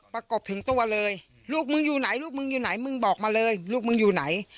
ประกบถึงตัวเลยลูกมึงอยู่ไหนลูกมึงอยู่ไหนมึงบอกมาเลยลูกมึงอยู่ไหน